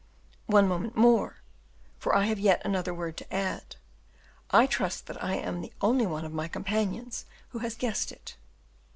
"One moment more, for I have yet another word to add. I trust I am the only one of my companions who has guessed it."